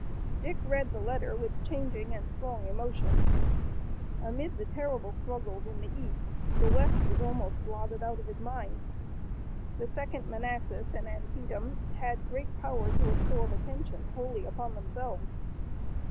Dick read the letter with changing and strong emotions. Amid the terrible struggles in the east, the west was almost blotted out of his mind. The Second Manassas and Antietam had great power to absorb attention wholly upon themselves.